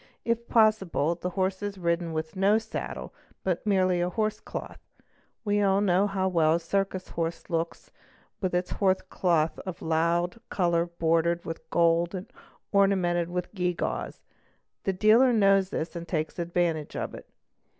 If possible the horse is ridden with no saddle, but merely a horse cloth We all know how well a circus horse looks with its horse cloth of a loue colour bordered with gold and ornamented with gewgaws; the deale knows this and takes advantage of it.